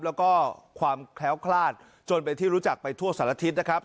แล้วก็ความแคล้วคลาดจนเป็นที่รู้จักไปทั่วสารทิศนะครับ